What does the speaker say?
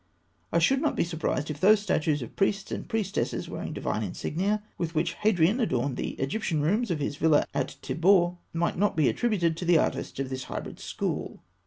I should not be surprised if those statues of priests and priestesses wearing divine insignia, with which Hadrian adorned the Egyptian rooms of his villa at Tibur, might not be attributed to the artists of this hybrid school.